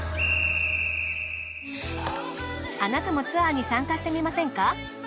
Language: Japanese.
あなたもツアーに参加してみませんか？